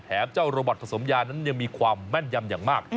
เจ้าโรบอตผสมยานั้นยังมีความแม่นยำอย่างมาก